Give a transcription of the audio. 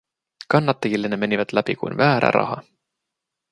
Kannattajille ne menivät läpi kuin väärä raha.